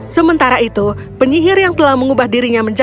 sementara itu penyihir yang telah mengubah dirinya menjelaskan